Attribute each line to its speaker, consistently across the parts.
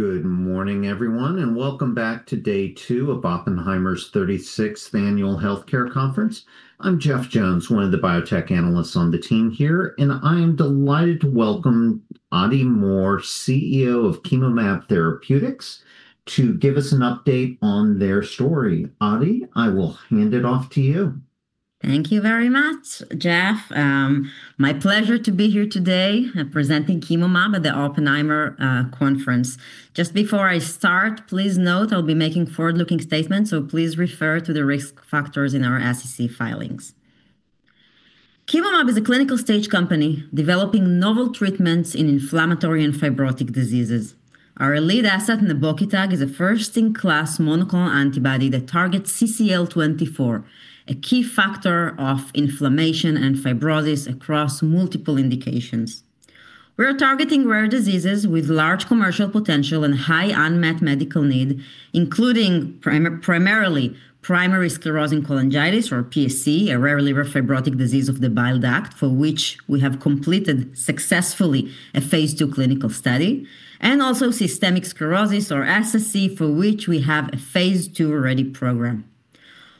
Speaker 1: Good morning, everyone, and welcome back to day two of Oppenheimer's 36th annual healthcare conference. I'm Jeff Jones, one of the biotech analysts on the team here, and I am delighted to welcome Adi Mor, CEO of Chemomab Therapeutics, to give us an update on their story. Adi, I will hand it off to you.
Speaker 2: Thank you very much, Jeff. My pleasure to be here today and presenting Chemomab at the Oppenheimer conference. Just before I start, please note I'll be making forward-looking statements, so please refer to the risk factors in our SEC filings. Chemomab is a clinical stage company developing novel treatments in inflammatory and fibrotic diseases. Our lead asset, nebokitug, is a first-in-class monoclonal antibody that targets CCL24, a key factor of inflammation and fibrosis across multiple indications. We are targeting rare diseases with large commercial potential and high unmet medical need, including primarily primary sclerosing cholangitis, or PSC, a rare liver fibrotic disease of the bile duct, for which we have completed successfully a phase II clinical study, and also systemic sclerosis, or SSc, for which we have a phase II ready program.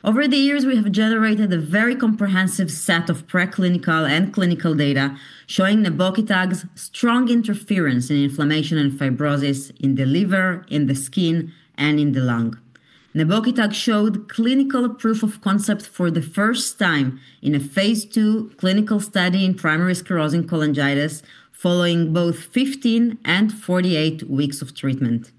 Speaker 2: Over the years, we have generated a very comprehensive set of preclinical and clinical data showing nebokitug's strong interference in inflammation and fibrosis in the liver, in the skin, and in the lung. Nebokitug showed clinical proof of concept for the first time in a phase II clinical study in primary sclerosing cholangitis, following both 15 and 48 weeks of treatment.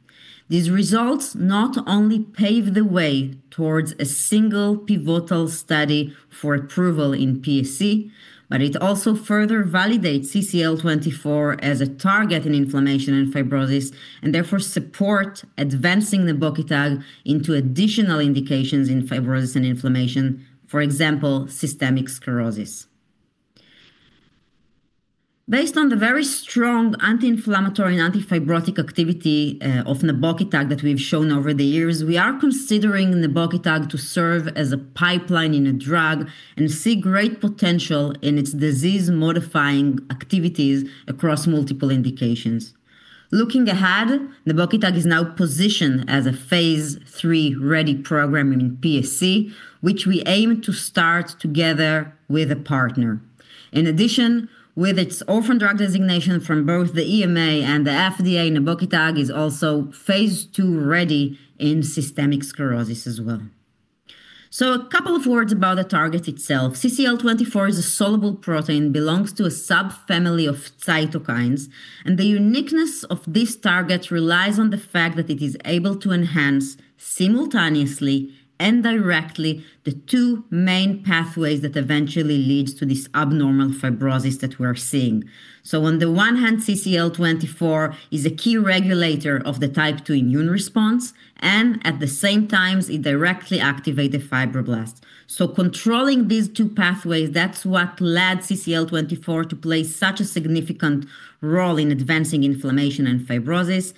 Speaker 2: These results not only pave the way towards a single pivotal study for approval in PSC, but it also further validates CCL24 as a target in inflammation and fibrosis, and therefore support advancing nebokitug into additional indications in fibrosis and inflammation, for example, systemic sclerosis. Based on the very strong anti-inflammatory and anti-fibrotic activity of nebokitug that we've shown over the years, we are considering nebokitug to serve as a pipeline in a drug and see great potential in its disease-modifying activities across multiple indications. Looking ahead, nebokitug is now positioned as a phase III ready program in PSC, which we aim to start together with a partner. With its Orphan Drug Designation from both the EMA and the FDA, nebokitug is also phase II ready in systemic sclerosis as well. A couple of words about the target itself. CCL24 is a soluble protein, belongs to a subfamily of cytokines, and the uniqueness of this target relies on the fact that it is able to enhance simultaneously and directly the two main pathways that eventually leads to this abnormal fibrosis that we are seeing. On the one hand, CCL24 is a key regulator of the type two immune response, and at the same time, it directly activate the fibroblasts. Controlling these two pathways, that's what led CCL24 to play such a significant role in advancing inflammation and fibrosis.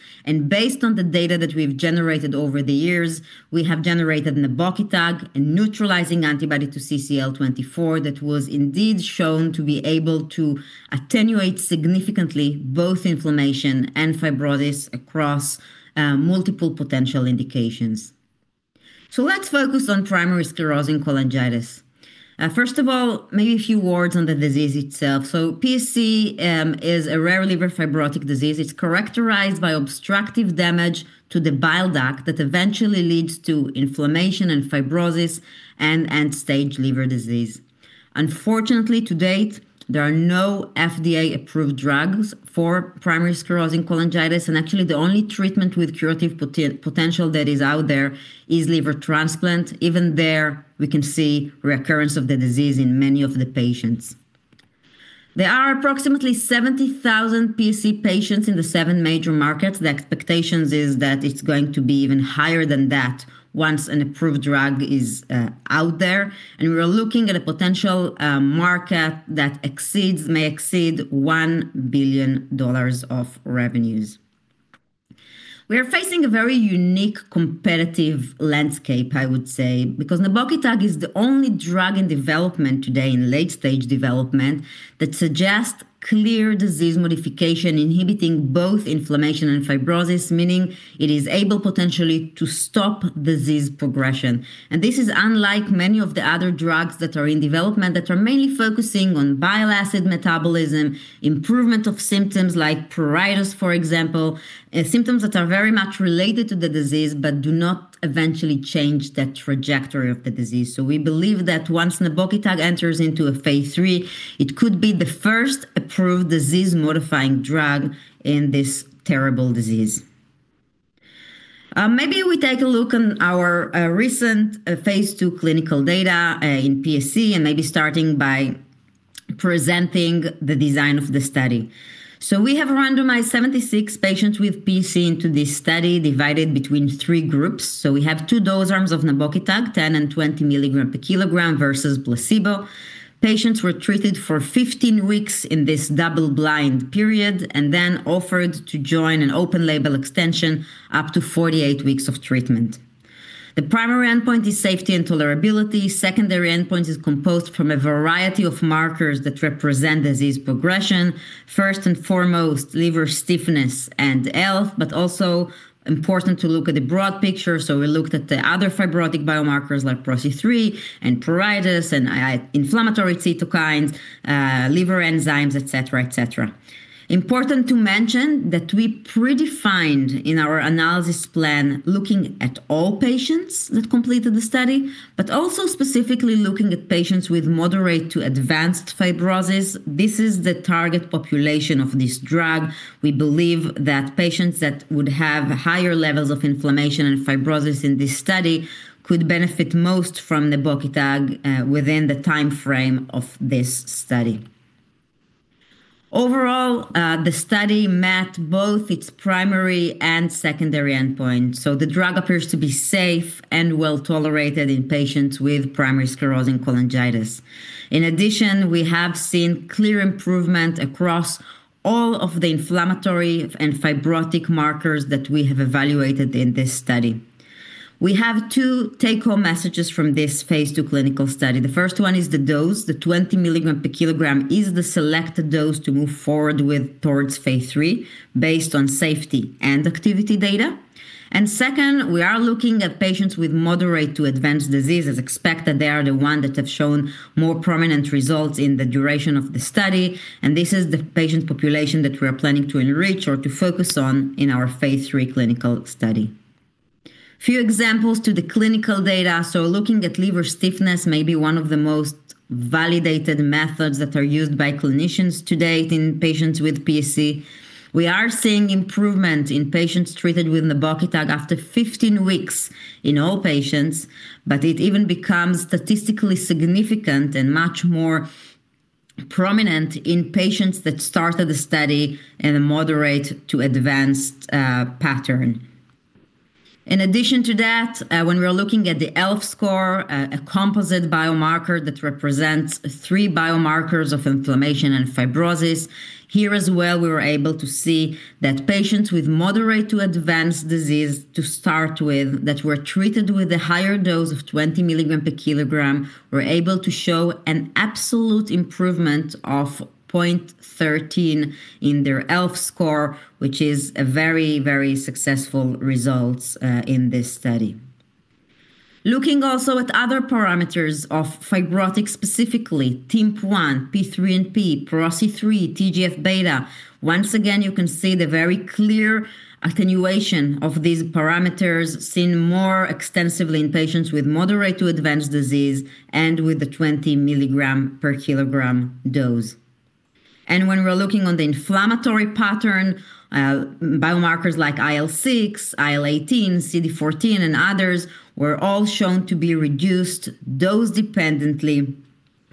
Speaker 2: Based on the data that we've generated over the years, we have generated nebokitug, a neutralizing antibody to CCL24 that was indeed shown to be able to attenuate significantly both inflammation and fibrosis across multiple potential indications. Let's focus on primary sclerosing cholangitis. First of all, maybe a few words on the disease itself. PSC is a rare liver fibrotic disease. It's characterized by obstructive damage to the bile duct that eventually leads to inflammation and fibrosis and end-stage liver disease. Unfortunately, to date, there are no FDA-approved drugs for primary sclerosing cholangitis, and actually, the only treatment with curative potential that is out there is liver transplant. Even there, we can see recurrence of the disease in many of the patients. There are approximately 70,000 PSC patients in the seven major markets. The expectations is that it's going to be even higher than that once an approved drug is out there, and we are looking at a potential market that exceeds-- may exceed $1 billion of revenues. We are facing a very unique competitive landscape, I would say, because nebokitug is the only drug in development today, in late-stage development, that suggests clear disease modification, inhibiting both inflammation and fibrosis, meaning it is able potentially to stop disease progression. This is unlike many of the other drugs that are in development that are mainly focusing on bile acid metabolism, improvement of symptoms like pruritus, for example, symptoms that are very much related to the disease but do not eventually change the trajectory of the disease. We believe that once nebokitug enters into a phase III, it could be the first approved disease-modifying drug in this terrible disease. Maybe we take a look on our recent phase II clinical data in PSC, and maybe starting by presenting the design of the study. We have randomized 76 patients with PSC into this study, divided between three groups. We have two dose arms of nebokitug, 10 and 20 milligram per kilogram versus placebo. Patients were treated for 15 weeks in this double-blind period, and then offered to join an open-label extension up to 48 weeks of treatment. The primary endpoint is safety and tolerability. Secondary endpoint is composed from a variety of markers that represent disease progression. First and foremost, liver stiffness and ELF, but also important to look at the broad picture. We looked at the other fibrotic biomarkers like ProC3 and pruritus, and inflammatory cytokines, liver enzymes, et cetera, et cetera. Important to mention that we predefined in our analysis plan, looking at all patients that completed the study, but also specifically looking at patients with moderate to advanced fibrosis. This is the target population of this drug. We believe that patients that would have higher levels of inflammation and fibrosis in this study could benefit most from nebokitug within the time frame of this study. Overall, the study met both its primary and secondary endpoint, the drug appears to be safe and well-tolerated in patients with primary sclerosing cholangitis. In addition, we have seen clear improvement across all of the inflammatory and fibrotic markers that we have evaluated in this study. We have two take-home messages from this phase II clinical study. The first one is the dose. The 20 milligram per kilogram is the selected dose to move forward with towards phase III, based on safety and activity data. Second, we are looking at patients with moderate to advanced disease. As expected, they are the ones that have shown more prominent results in the duration of the study, and this is the patient population that we are planning to enrich or to focus on in our phase III clinical study. Few examples to the clinical data. Looking at liver stiffness, maybe one of the most validated methods that are used by clinicians to date in patients with PSC. We are seeing improvement in patients treated with nebokitug after 15 weeks in all patients, but it even becomes statistically significant and much more prominent in patients that started the study in a moderate to advanced pattern. In addition to that, when we are looking at the ELF score, a composite biomarker that represents three biomarkers of inflammation and fibrosis. Here as well, we were able to see that patients with moderate to advanced disease, to start with, that were treated with a higher dose of 20 milligram per kilogram, were able to show an absolute improvement of 0.13 in their ELF score, which is a very, very successful results in this study. Looking also at other parameters of fibrotic, specifically, TIMP-1, PIIINP, ProC3, TGF-beta. Once again, you can see the very clear attenuation of these parameters, seen more extensively in patients with moderate to advanced disease and with the 20 milligram per kilogram dose. When we're looking on the inflammatory pattern, biomarkers like IL-6, IL-18, CD14, and others, were all shown to be reduced dose-dependently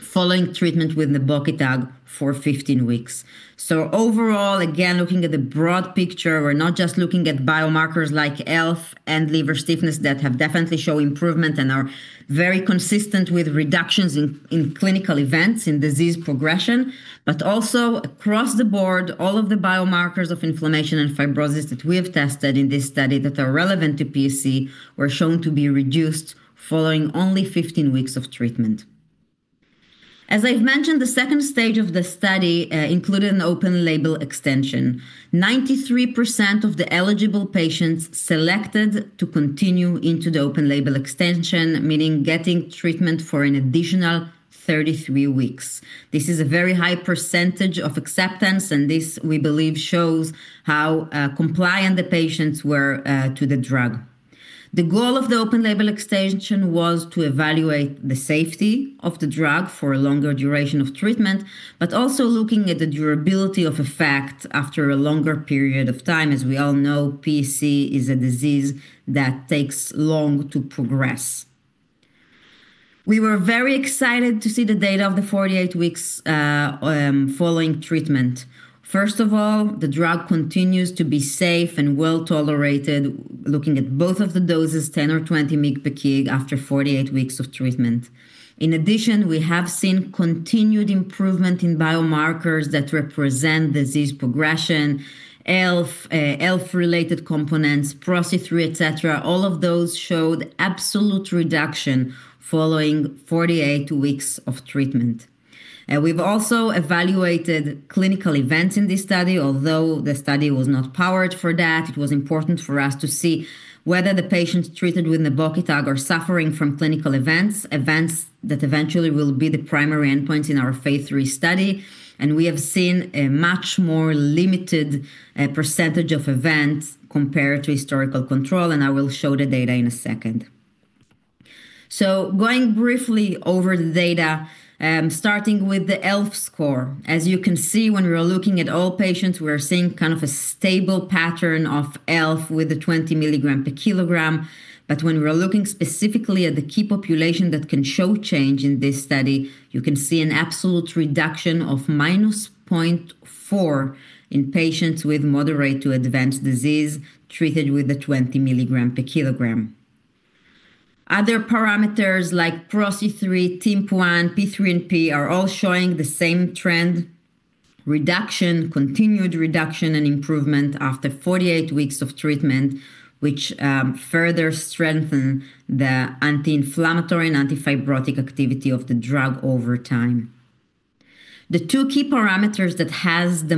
Speaker 2: following treatment with nebokitug for 15 weeks. Overall, again, looking at the broad picture, we're not just looking at biomarkers like ELF and liver stiffness that have definitely shown improvement and are very consistent with reductions in clinical events, in disease progression. Across the board, all of the biomarkers of inflammation and fibrosis that we have tested in this study that are relevant to PSC, were shown to be reduced following only 15 weeks of treatment. As I've mentioned, the second stage of the study included an open-label extension. 93% of the eligible patients selected to continue into the open-label extension, meaning getting treatment for an additional 33 weeks. This is a very high % of acceptance, and this, we believe, shows how compliant the patients were to the drug. The goal of the open-label extension was to evaluate the safety of the drug for a longer duration of treatment, but also looking at the durability of effect after a longer period of time. As we all know, PSC is a disease that takes long to progress. We were very excited to see the data of the 48 weeks following treatment. First of all, the drug continues to be safe and well-tolerated, looking at both of the doses, 10 or 20 mg per kg, after 48 weeks of treatment. In addition, we have seen continued improvement in biomarkers that represent disease progression, ELF-related components, ProC3, et cetera. All of those showed absolute reduction following 48 weeks of treatment. We've also evaluated clinical events in this study. Although the study was not powered for that, it was important for us to see whether the patients treated with nebokitug are suffering from clinical events that eventually will be the primary endpoint in our phase III study, we have seen a much more limited percentage of events compared to historical control, I will show the data in a second. Going briefly over the data, starting with the ELF score. As you can see, when we are looking at all patients, we are seeing kind of a stable pattern of ELF with a 20 mg per kg. When we are looking specifically at the key population that can show change in this study, you can see an absolute reduction of -0.4 in patients with moderate to advanced disease treated with a 20 milligram per kilogram. Other parameters like ProC3, TIMP-1, PIIINP are all showing the same trend: reduction, continued reduction, and improvement after 48 weeks of treatment, which further strengthen the anti-inflammatory and anti-fibrotic activity of the drug over time. The two key parameters that have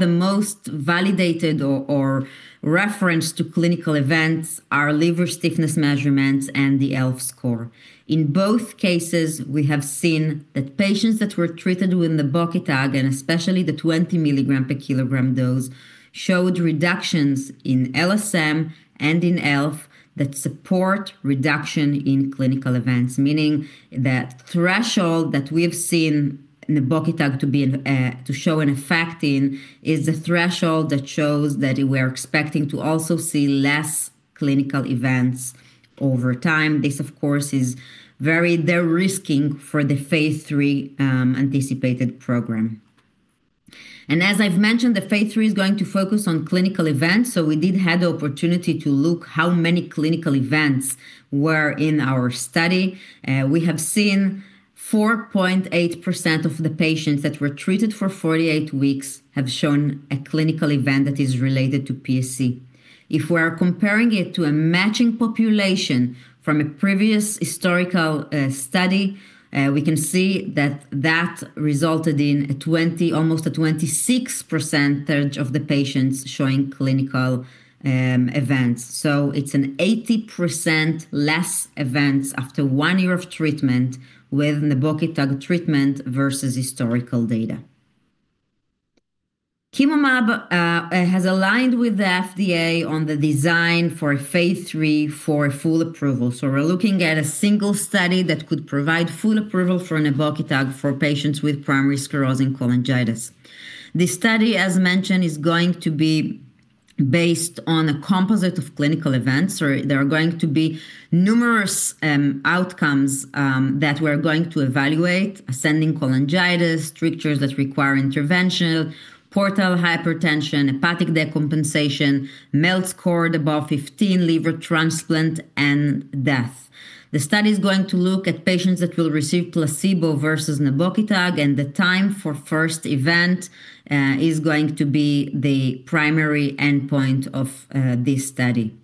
Speaker 2: the most validated or referenced to clinical events are liver stiffness measurements and the ELF score. In both cases, we have seen that patients that were treated with nebokitug, and especially the 20 milligram per kilogram dose, showed reductions in LSM and in ELF that support reduction in clinical events, meaning that threshold that we have seen nebokitug to be, to show an effect in, is the threshold that shows that we are expecting to also see less clinical events over time. This, of course, is very de-risking for the phase III anticipated program. As I've mentioned, the phase III is going to focus on clinical events, so we did have the opportunity to look how many clinical events were in our study. We have seen 4.8% of the patients that were treated for 48 weeks have shown a clinical event that is related to PSC. If we are comparing it to a matching population from a previous historical study, we can see that resulted in almost a 26% of the patients showing clinical events. It's an 80% less events after 1 year of treatment with nebokitug treatment versus historical data. Chemomab has aligned with the FDA on the design for a phase III for a full approval. We're looking at a single study that could provide full approval for nebokitug for patients with primary sclerosing cholangitis. This study, as mentioned, is going to be based on a composite of clinical events, or there are going to be numerous outcomes that we are going to evaluate: ascending cholangitis, strictures that require intervention, portal hypertension, hepatic decompensation, MELD score above 15, liver transplant, and death. The study is going to look at patients that will receive placebo versus nebokitug, and the time for first event is going to be the primary endpoint of this study.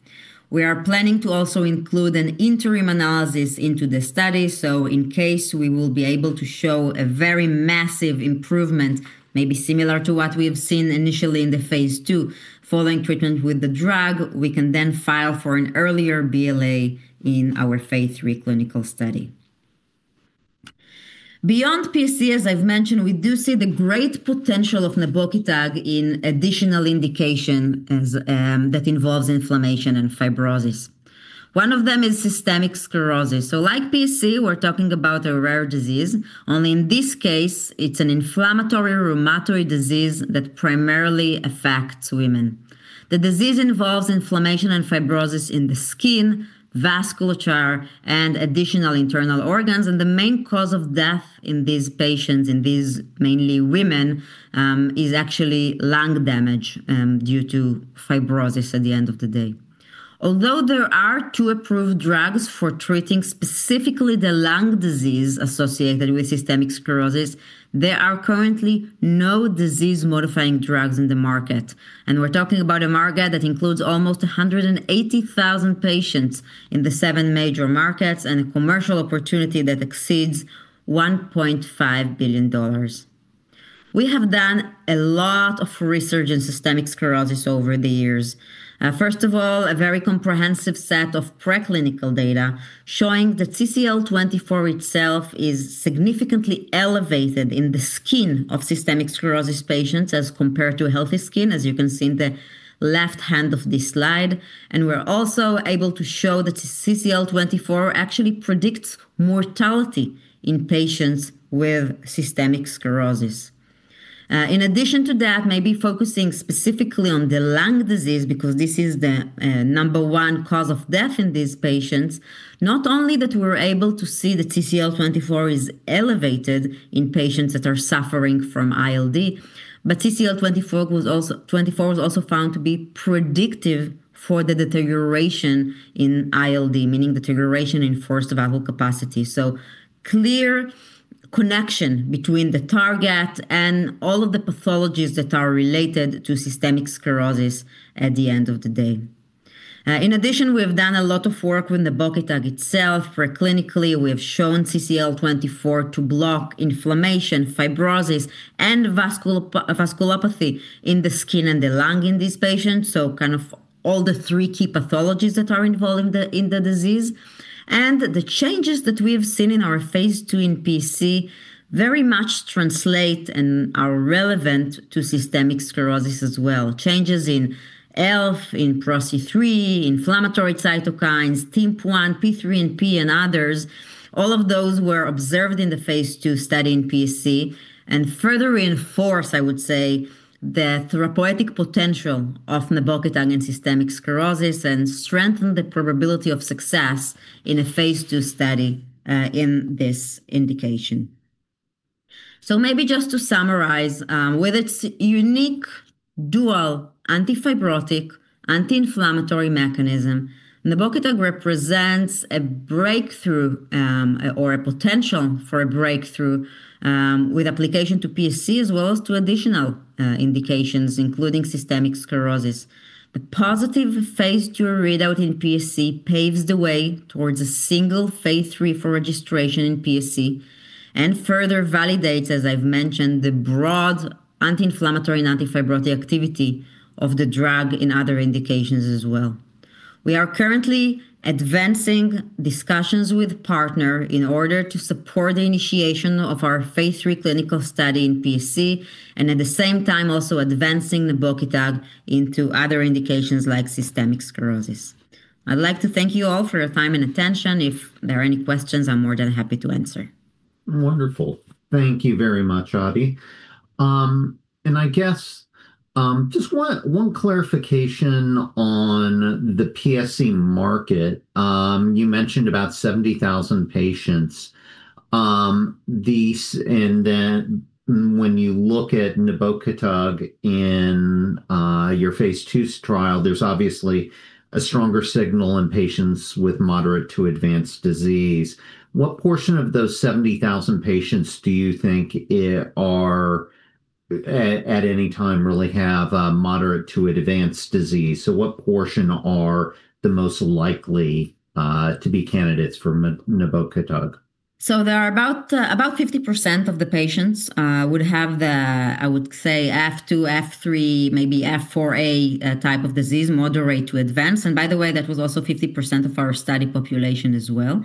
Speaker 2: We are planning to also include an interim analysis into the study, so in case we will be able to show a very massive improvement, maybe similar to what we have seen initially in the phase II. Following treatment with the drug, we can then file for an earlier BLA in our phase III clinical study. Beyond PSC, as I've mentioned, we do see the great potential of nebokitug in additional indication as that involves inflammation and fibrosis. One of them is systemic sclerosis. Like PSC, we're talking about a rare disease, only in this case, it's an inflammatory rheumatoid disease that primarily affects women. The disease involves inflammation and fibrosis in the skin, vasculature, and additional internal organs. The main cause of death in these patients, in these mainly women, is actually lung damage, due to fibrosis at the end of the day. Although there are two approved drugs for treating specifically the lung disease associated with systemic sclerosis, there are currently no disease-modifying drugs in the market. We're talking about a market that includes almost 180,000 patients in the seven major markets, and a commercial opportunity that exceeds $1.5 billion. We have done a lot of research in systemic sclerosis over the years. First of all, a very comprehensive set of preclinical data showing that CCL24 itself is significantly elevated in the skin of systemic sclerosis patients as compared to healthy skin, as you can see in the left hand of this slide. We're also able to show that CCL24 actually predicts mortality in patients with systemic sclerosis. In addition to that, maybe focusing specifically on the lung disease, because this is the number one cause of death in these patients, not only that we were able to see the CCL24 is elevated in patients that are suffering from ILD, but CCL24 was also found to be predictive for the deterioration in ILD, meaning deterioration in forced vital capacity. Clear connection between the target and all of the pathologies that are related to systemic sclerosis at the end of the day. In addition, we have done a lot of work with nebokitug itself. For clinically, we have shown CCL24 to block inflammation, fibrosis, and vasculopathy in the skin and the lung in these patients, kind of all the three key pathologies that are involved in the disease. The changes that we've seen in our phase II in PSC very much translate and are relevant to systemic sclerosis as well. Changes in ELF, in ProC3, inflammatory cytokines, TIMP-1, P3NP, and others, all of those were observed in the phase II study in PSC, further reinforce, I would say, the therapeutic potential of nebokitug in systemic sclerosis and strengthen the probability of success in a phase II study in this indication. Maybe just to summarize, with its unique dual anti-fibrotic, anti-inflammatory mechanism, nebokitug represents a breakthrough, or a potential for a breakthrough, with application to PSC as well as to additional indications, including systemic sclerosis. The positive phase II readout in PSC paves the way towards a single phase III for registration in PSC, and further validates, as I've mentioned, the broad anti-inflammatory and anti-fibrotic activity of the drug in other indications as well. We are currently advancing discussions with partner in order to support the initiation of our phase III clinical study in PSC, and at the same time, also advancing nebokitug into other indications like systemic sclerosis. I'd like to thank you all for your time and attention. If there are any questions, I'm more than happy to answer.
Speaker 1: Wonderful. Thank you very much, Adi. I guess, just one clarification on the PSC market. You mentioned about 70,000 patients, these and then when you look at nebokitug in your phase two trial, there's obviously a stronger signal in patients with moderate to advanced disease. What portion of those 70,000 patients do you think are, at any time, really have a moderate to advanced disease? What portion are the most likely to be candidates for nebokitug?
Speaker 2: There are about 50% of the patients would have the, I would say, F2, F3, maybe F4A type of disease, moderate to advanced. By the way, that was also 50% of our study population as well.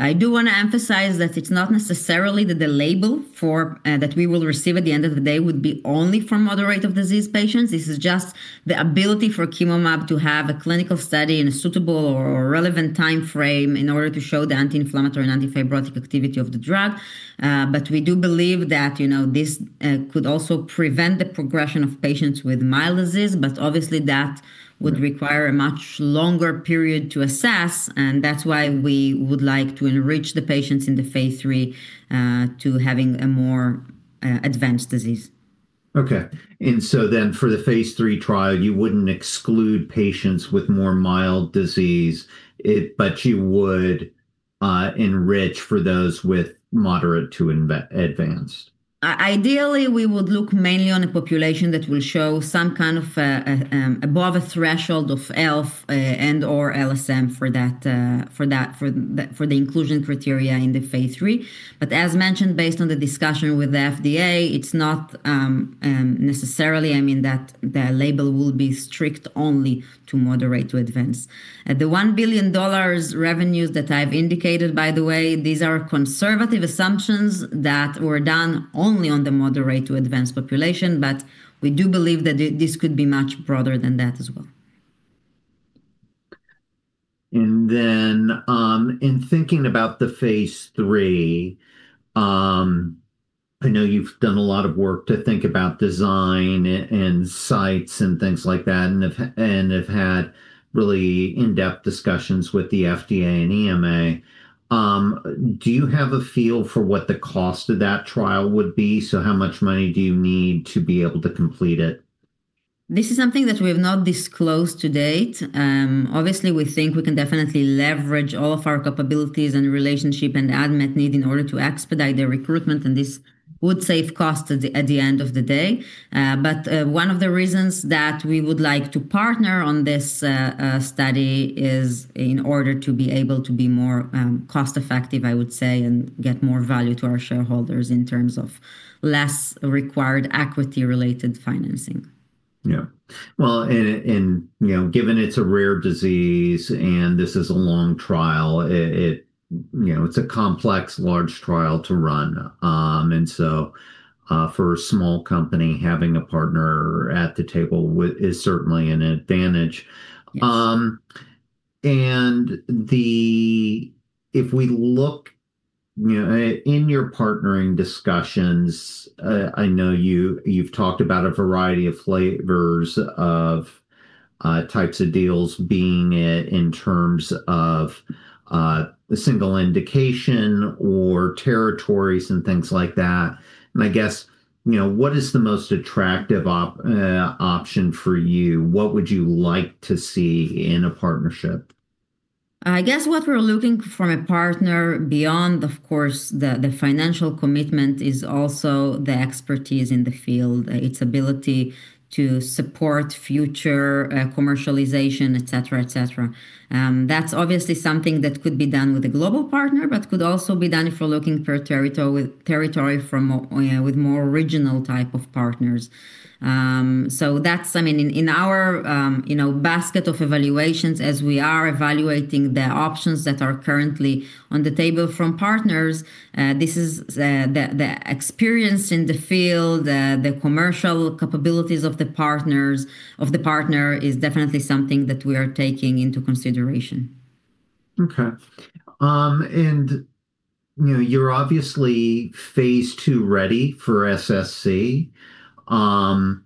Speaker 2: I do wanna emphasise that it's not necessarily that the label for that we will receive at the end of the day would be only for moderate of disease patients. This is just the ability for Chemomab to have a clinical study in a suitable or relevant timeframe in order to show the anti-inflammatory and anti-fibrotic activity of the drug. We do believe that, you know, this could also prevent the progression of patients with mild disease, but obviously, that would require a much longer period to assess, and that's why we would like to enrich the patients in the phase III to having a more advanced disease.
Speaker 1: For the phase III trial, you wouldn't exclude patients with more mild disease, but you would enrich for those with moderate to advanced?
Speaker 2: Ideally, we would look mainly on a population that will show some kind of above a threshold of ELF, and/or LSM for the inclusion criteria in the phase III. As mentioned, based on the discussion with the FDA, it's not, necessarily, I mean, that the label will be strict only to moderate to advanced. The $1 billion revenues that I've indicated, by the way, these are conservative assumptions that were done only on the moderate to advanced population, but we do believe that this could be much broader than that as well.
Speaker 1: In thinking about the phase III, I know you've done a lot of work to think about design and sites and things like that, and have had really in-depth discussions with the FDA and EMA. Do you have a feel for what the cost of that trial would be? How much money do you need to be able to complete it?
Speaker 2: This is something that we have not disclosed to date. Obviously, we think we can definitely leverage all of our capabilities and relationship and unmet need in order to expedite the recruitment, and this would save cost at the, at the end of the day. One of the reasons that we would like to partner on this study is in order to be able to be more cost effective, I would say, and get more value to our shareholders in terms of less required equity-related financing.
Speaker 1: Yeah. Well, and, you know, given it's a rare disease and this is a long trial, you know, it's a complex, large trial to run. For a small company, having a partner at the table is certainly an advantage.
Speaker 2: Yes.
Speaker 1: If we look, you know, in your partnering discussions, I know you've talked about a variety of flavors of, types of deals, being it in terms of, a single indication or territories and things like that. I guess, you know, what is the most attractive option for you? What would you like to see in a partnership?...
Speaker 2: I guess what we're looking for in a partner beyond, of course, the financial commitment is also the expertise in the field, its ability to support future commercialization, et cetera, et cetera. That's obviously something that could be done with a global partner, but could also be done if we're looking for a territory from a, you know, with more regional type of partners. So that's I mean, in our, you know, basket of evaluations, as we are evaluating the options that are currently on the table from partners, this is the experience in the field, the commercial capabilities of the partner is definitely something that we are taking into consideration.
Speaker 1: Okay. You know, you're obviously phase II ready for SSc. As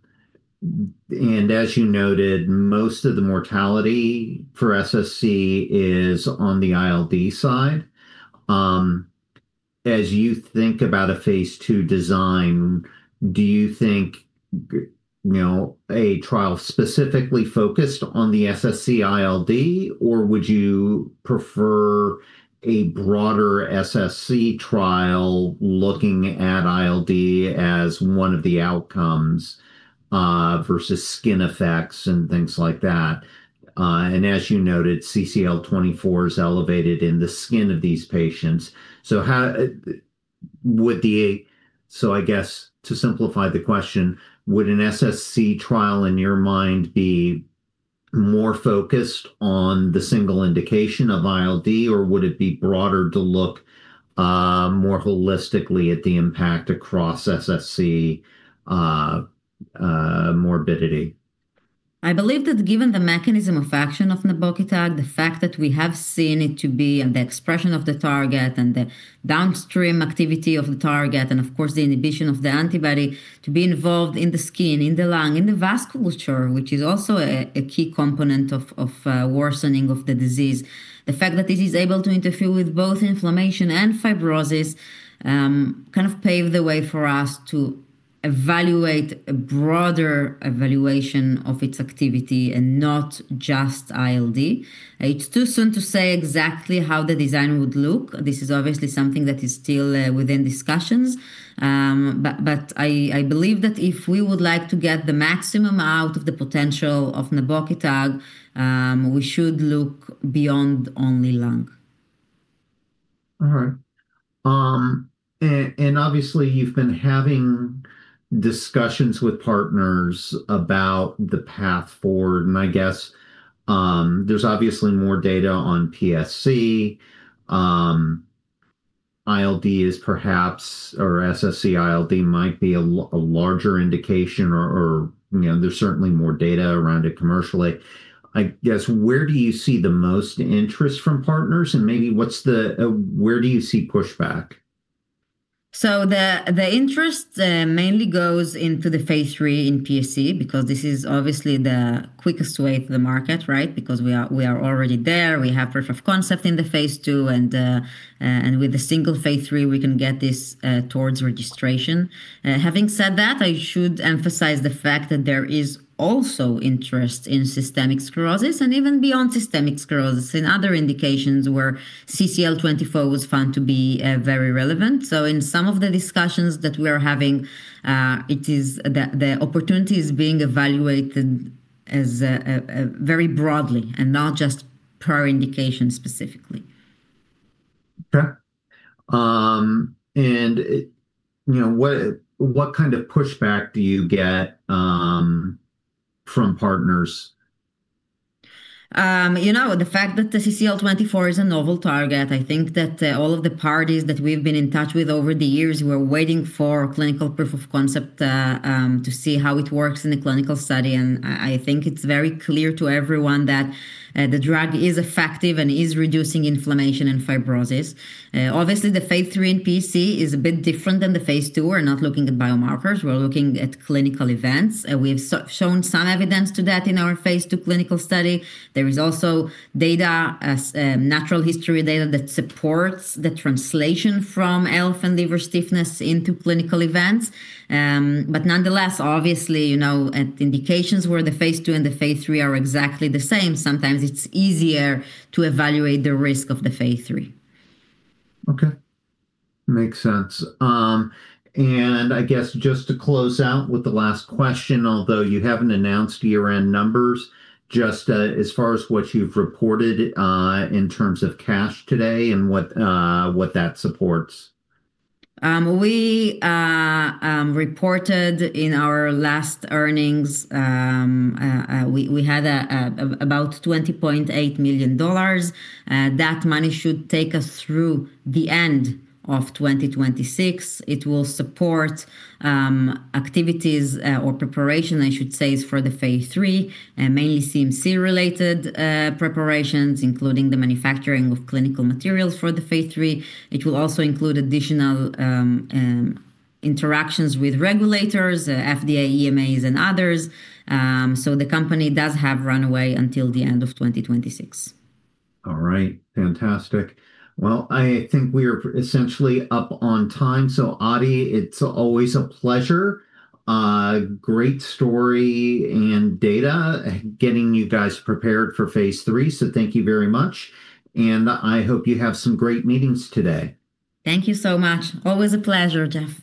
Speaker 1: you noted, most of the mortality for SSc is on the ILD side. As you think about a phase II design, do you think, you know, a trial specifically focused on the SSc-ILD, or would you prefer a broader SSc trial looking at ILD as one of the outcomes, versus skin effects and things like that? As you noted, CCL24 is elevated in the skin of these patients, so how... So I guess, to simplify the question, would an SSc trial, in your mind, be more focused on the single indication of ILD, or would it be broader to look, more holistically at the impact across SSc morbidity?
Speaker 2: I believe that given the mechanism of action of nebokitug, the fact that we have seen it to be, and the expression of the target, and the downstream activity of the target, and of course, the inhibition of the antibody to be involved in the skin, in the lung, in the vasculature, which is also a key component of worsening of the disease. The fact that it is able to interfere with both inflammation and fibrosis, kind of pave the way for us to evaluate a broader evaluation of its activity and not just ILD. It's too soon to say exactly how the design would look. This is obviously something that is still within discussions. I believe that if we would like to get the maximum out of the potential of nebokitug, we should look beyond only lung.
Speaker 1: All right. Obviously, you've been having discussions with partners about the path forward, I guess, there's obviously more data on PSC. ILD is perhaps, or SSc-ILD might be a larger indication or, you know, there's certainly more data around it commercially. I guess, where do you see the most interest from partners, Maybe what's the, Where do you see pushback?
Speaker 2: The, the interest, mainly goes into the phase III in PSC, because this is obviously the quickest way to the market, right? Because we are already there. We have proof of concept in the phase II, and with the single phase III, we can get this towards registration. Having said that, I should emphasize the fact that there is also interest in systemic sclerosis, and even beyond systemic sclerosis, in other indications where CCL24 was found to be very relevant. In some of the discussions that we are having, it is the opportunity is being evaluated as a very broadly, and not just per indication specifically.
Speaker 1: Okay. You know, what kind of pushback do you get from partners?
Speaker 2: You know, the fact that the CCL24 is a novel target, I think that all of the parties that we've been in touch with over the years were waiting for clinical proof of concept to see how it works in a clinical study. I think it's very clear to everyone that the drug is effective and is reducing inflammation and fibrosis. Obviously, the phase III in PSC is a bit different than the phase II. We're not looking at biomarkers, we're looking at clinical events, we've shown some evidence to that in our phase II clinical study. There is also data, as natural history data, that supports the translation from MRE liver stiffness into clinical events. Nonetheless, obviously, you know, at indications where the phase II and the phase III are exactly the same, sometimes it's easier to evaluate the risk of the phase III.
Speaker 1: Okay. Makes sense. I guess just to close out with the last question, although you haven't announced year-end numbers, just, as far as what you've reported, in terms of cash today and what that supports?
Speaker 2: We reported in our last earnings, we had about $20.8 million. That money should take us through the end of 2026. It will support activities or preparation, I should say, is for the phase III, and mainly CMC-related preparations, including the manufacturing of clinical materials for the phase III. It will also include additional interactions with regulators, FDA, EMA, and others. The company does have runway until the end of 2026.
Speaker 1: All right. Fantastic. Well, I think we are essentially up on time. Adi, it's always a pleasure. Great story and data getting you guys prepared for phase III. Thank you very much. I hope you have some great meetings today.
Speaker 2: Thank you so much. Always a pleasure, Jeff.